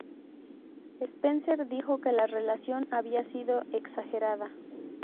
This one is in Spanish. Spencer dijo que la relación había sido exagerada.